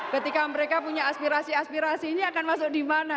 ketika mereka punya aspirasi aspirasi ini akan masuk di mana